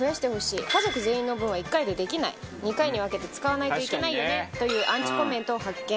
「２回に分けて使わないといけないよね」というアンチコメントを発見。